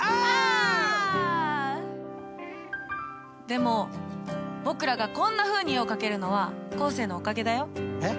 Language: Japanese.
でも僕らがこんなふうに絵を描けるのは昴生のおかげだよ。え？